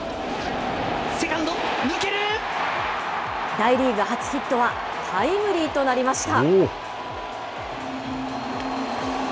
大リーグ初ヒットはタイムリーとなりました。